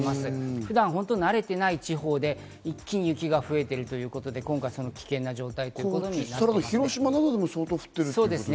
普段慣れていない地方で、雪が増えているということで今回、その危険な状態ということになっています。